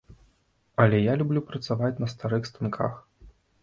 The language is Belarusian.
Але я люблю працаваць на старых станках.